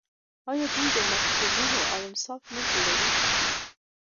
آیا دوی مکتبونه او نصاب نه جوړوي؟